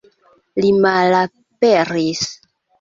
Li malaperis.